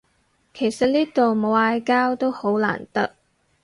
其實呢度冇嗌交都好難得